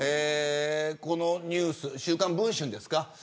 このニュース、週刊文春ですか。